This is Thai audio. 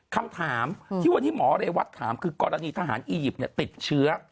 คำถามที่วันนี้หมอเรวัตถามคือกรณีทหารอียิปต์ติดเชื้อ